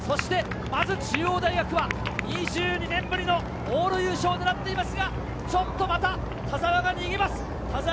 そして中央大学は２２年ぶりの往路優勝を狙っていますが、ちょっとまた田澤が逃げます。